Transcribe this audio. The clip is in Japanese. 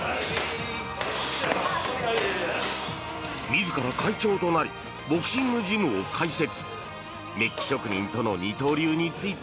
自ら会長となりボクシングジムを開設。